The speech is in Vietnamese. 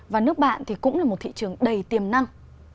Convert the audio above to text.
và nước bạn thì cũng là một thị trường đầy tiềm năng